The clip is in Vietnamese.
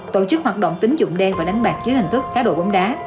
tổ chức hoạt động tín dụng đen và đánh bạc dưới hình thức khá đồ bóng đá